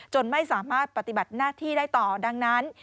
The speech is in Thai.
ไม่สามารถปฏิบัติหน้าที่ได้ต่อดังนั้น